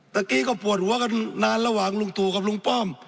เมื่อกี้ก็ปวดหัวกันนานระหว่างลุงตู่กับลุงป้อม